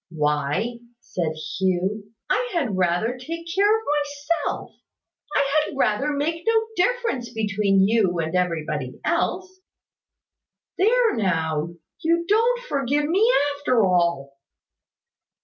"Why," said Hugh, "I had rather take care of myself. I had rather make no difference between you and everybody else." "There now! You don't forgive me, after all."